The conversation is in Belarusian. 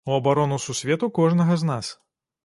У абарону сусвету кожнага з нас.